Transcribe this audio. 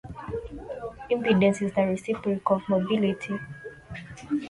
Impedance is the reciprocal of mobility.